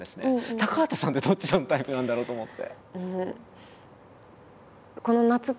高畑さんってどっちのタイプなんだろうと思って。